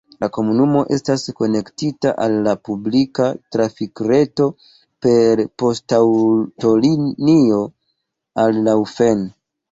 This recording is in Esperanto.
La komunumo estas konektita al la publika trafikreto per poŝtaŭtolinio al Laufen.